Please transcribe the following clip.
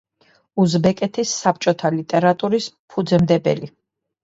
უზბეკეთის საბჭოთა ლიტერატურის ფუძემდებელი.